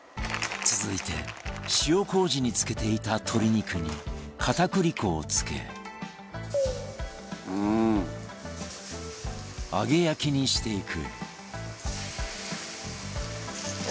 続いて塩麹に漬けていた鶏肉に片栗粉をつけ揚げ焼きにしていく